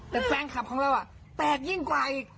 แต่แฟนคลับของเราแตกยิ่งกว่าอีก